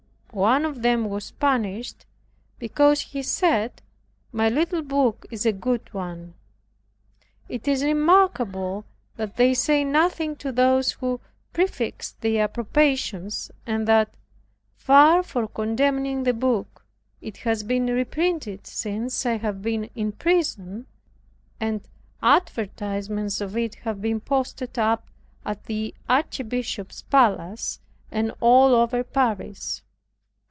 One of them was banished, because he said my little book is a good one. It is remarkable that they say nothing to those who prefixed their approbations, and that, far from condemning the book, it has been reprinted since I have been in prison, and advertisements of it have been posted up at the Archbishop's palace, and all over Paris.